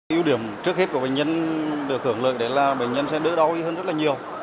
yêu điểm trước hết của bệnh nhân được hưởng lợi đấy là bệnh nhân sẽ đỡ đau hơn rất là nhiều